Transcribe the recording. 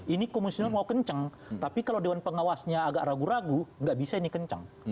ini komisioner mau kenceng tapi kalau dewan pengawasnya agak ragu ragu nggak bisa ini kencang